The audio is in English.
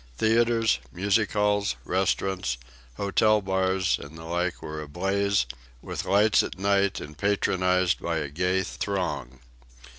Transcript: Theatres, music halls, restaurants, hotel bars and the like were ablaze with lights at night, and patronized by a gay throng.